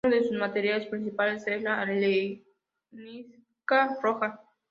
Uno de sus materiales principales es la arenisca roja.